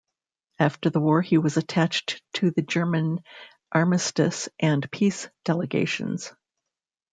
After the war he was attached to the German Armistice and Peace delegations.